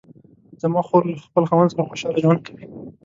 زما خور له خپل خاوند سره خوشحاله ژوند کوي